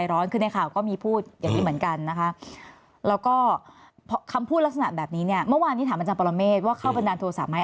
แล้วก็คำพูดลักษณะแบบนี้เนี่ยเมื่อวานที่ถามอาจารย์ปรเมฆว่าเข้าบันดาลโทรศะไหม